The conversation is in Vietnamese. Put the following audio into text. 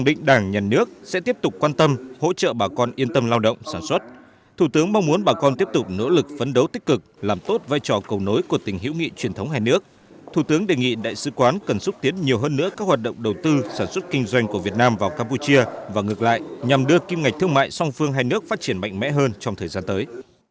tuy nhiên đảng nhân nước sẽ tiếp tục quan tâm hỗ trợ bà con yên tâm lao động sản xuất thủ tướng mong muốn bà con tiếp tục nỗ lực phấn đấu tích cực làm tốt vai trò cầu nối của tình hữu nghị truyền thống hai nước thủ tướng đề nghị đại sứ quán cần xúc tiến nhiều hơn nữa các hoạt động đầu tư sản xuất kinh doanh của việt nam vào campuchia và ngược lại nhằm đưa kim ngạch thương mại song phương hai nước phát triển mạnh mẽ hơn trong thời gian tới